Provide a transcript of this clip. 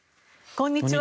こんにちは。